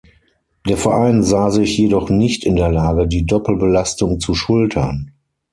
Der Verein sah sich jedoch nicht in der Lage die Doppelbelastung zu schultern.